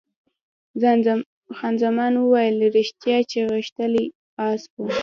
خان زمان وویل، ریښتیا چې غښتلی اس وو.